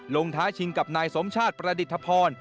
ท้าชิงกับนายสมชาติประดิษฐพร